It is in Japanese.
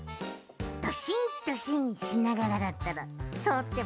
ドシンドシンしながらだったらとおってもいいぞ。